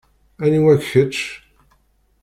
Aniwa-k kečč?